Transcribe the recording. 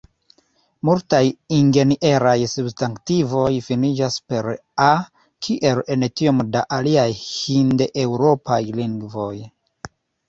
Multaj ingenraj substantivoj finiĝas per -a, kiel en tiom da aliaj hindeŭropaj lingvoj.